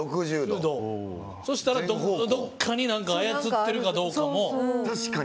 そしたら、どこかに操ってるかどうかも。